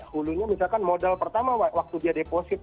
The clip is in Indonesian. hulunya misalkan modal pertama waktu dia deposit